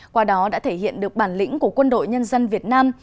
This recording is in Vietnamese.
qua đó đã thể hiện được bản lĩnh của quân đội nhân dân việt nam